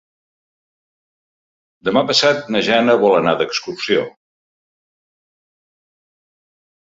Demà passat na Jana vol anar d'excursió.